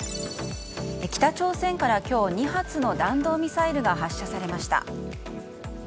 北朝鮮から今日、２発の弾道ミサイルが発射されました。